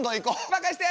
任して！